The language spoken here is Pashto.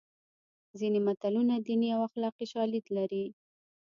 ځینې متلونه دیني او اخلاقي شالید لري